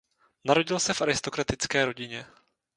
Narodil se v aristokratické rodině.